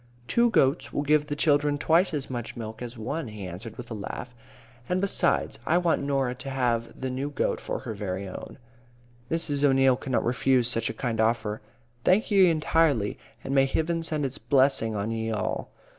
"Two goats will give the children twice as much milk as one," he answered, with a laugh. "And, besides, I want Norah to have the new goat for her very own." Mrs. O'Neil could not refuse such a kind offer. "Thank ye entirely, and may Hiven send its blessing on ye all."